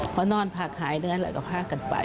เพราะนอนพาขายเนื้อแล้วก็พากันไป